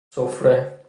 سفره